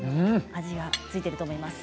味が付いていると思います。